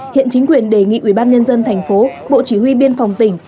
hiện chính quyền đề nghị ủy ban nhân dân thành phố bộ chỉ huy biên phòng tỉnh